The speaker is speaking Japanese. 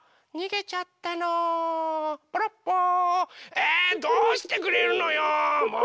えどうしてくれるのよもう！